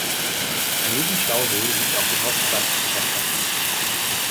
An diesem Stausee liegt auch die Hauptstadt Tscherkassy.